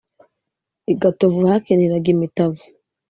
i gatovu hakiniraga imitavu